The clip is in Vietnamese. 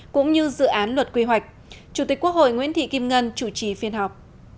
cũng như dự án luật quy hoạch chủ tịch quốc hội nguyễn thị kim ngân chủ trì phiên họp